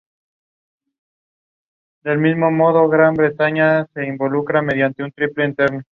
Waston apareció en la lista.